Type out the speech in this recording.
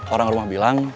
orang rumah bilang